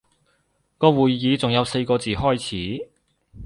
個會議仲有四個字開始